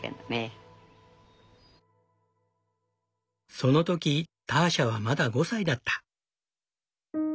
その時ターシャはまだ５歳だった。